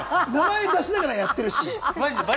名前出しながらやってるし。